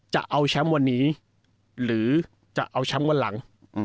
จะเอาแชมป์วันนี้หรือจะเอาแชมป์วันหลัง